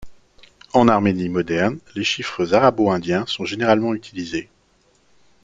En Arménie moderne, les chiffres arabo-indiens sont généralement utilisés.